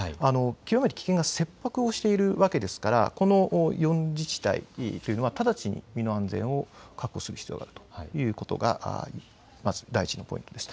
極めて危険が切迫をしているわけですからこの４自治体というのは直ちに身の安全の確保をする必要があるということがまず第１のポイントです。